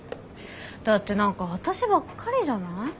だって何か私ばっかりじゃない？